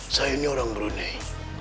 saya ini orang brunei